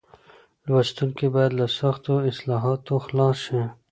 لوستونکي بايد له سختو اصطلاحاتو خلاص شي.